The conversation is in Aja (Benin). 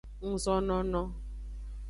Ngzonono.